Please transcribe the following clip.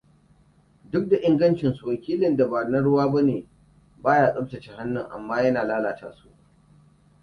Duk da ingancinsu wakilin dabana ruwa bane baya tsabtace hannun, amma yana lalata su.